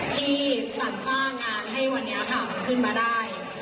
ที่สรรสร้างงานให้วันนี้ค่ะขึ้นมาได้